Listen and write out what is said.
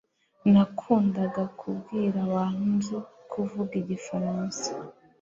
Nakundaga kubwira abantu nzi kuvuga igifaransa